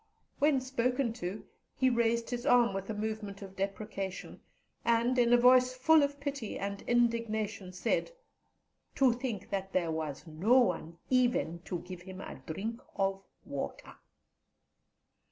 When spoken to, he raised his arm with a movement of deprecation, and, in a voice full of pity and indignation, said "to think that there was no one even to give Him a drink of water!"